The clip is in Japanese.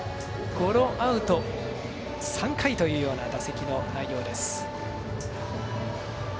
ゴロアウト３回というような打席の内容です。